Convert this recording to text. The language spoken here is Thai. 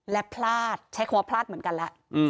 และพลาดใช้คำว่าพลาดเหมือนกันแล้ว